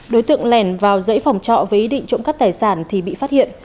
đối tượng lẻn vào dãy phòng trọ với ý định trộm cắp tài sản thì bị phát hiện